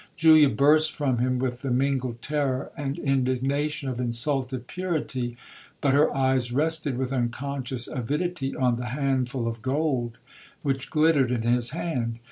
Julia burst from him with the mingled terror and indignation of insulted purity, but her eyes rested with unconscious avidity on the handful of gold which glittered in his hand.